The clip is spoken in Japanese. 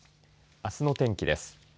あすの天気です。